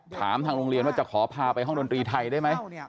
ถามทางโรงเรียนว่าจะขอพาไปห้องดนตรีไทยได้ไหม